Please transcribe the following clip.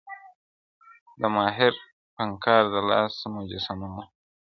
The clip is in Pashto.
د ماهر فنکار د لاس مجسمه وه!.